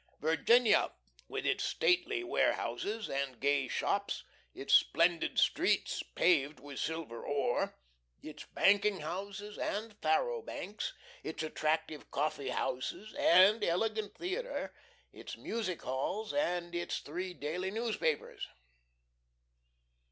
Virginia, with its stately warehouses and gay shops; its splendid streets, paved with silver ore; its banking houses and faro banks; its attractive coffee houses and elegant theatre, its music halls and its three daily newspapers.